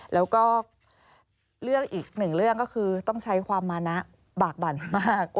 แล้วก็เรื่องอีกหนึ่งเรื่องก็คือต้องใช้ความมานะบากบั่นมาก